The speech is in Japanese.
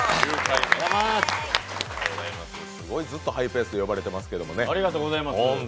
すごいずっとハイペースで呼ばれてますけどね。